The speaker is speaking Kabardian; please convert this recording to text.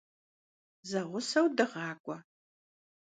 Zeğuseu dığak'ue.